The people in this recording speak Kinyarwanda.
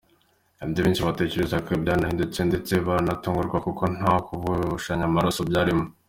Ibyo benshi batekerezaga byarahindutse ndetse baratungurwa kuko nta kuvushanya amaraso byarimo.